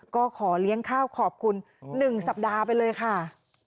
ก็ขอเลี้ยงข้าวขอบคุณ๑สัปดาห์ไปเลยค่ะ